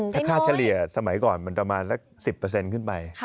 ถ้าค่าเฉลี่ยสมัยก่อนมันประมาณสัก๑๐ขึ้นไป